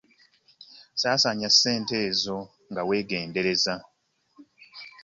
Saasaanya ssente ezo nga weegendereza.